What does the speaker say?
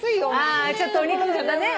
あちょっとお肉とかね。